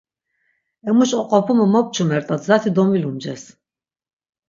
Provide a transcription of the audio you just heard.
Emuş oqopumu mo pçumert̆at, zati domilumces.